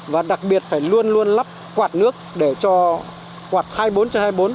và đặc biệt phải luôn luôn lắp quạt nước để cho quạt hai mươi bốn trên hai mươi bốn